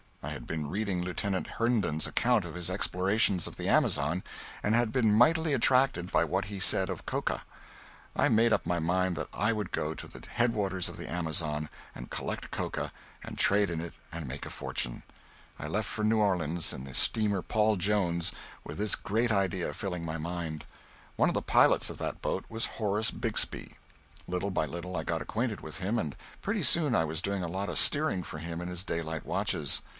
I had been reading Lieutenant Herndon's account of his explorations of the Amazon and had been mightily attracted by what he said of coca. I made up my mind that I would go to the head waters of the Amazon and collect coca and trade in it and make a fortune. I left for New Orleans in the steamer "Paul Jones" with this great idea filling my mind. One of the pilots of that boat was Horace Bixby. Little by little I got acquainted with him, and pretty soon I was doing a lot of steering for him in his daylight watches.